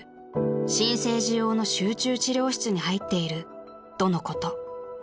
新生児用の集中治療室に入っているとのこと］